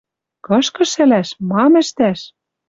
Кышкы шӹлӓш! Мам ӹштӓш?